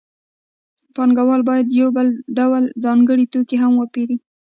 پانګوال باید یو بل ډول ځانګړی توکی هم وپېري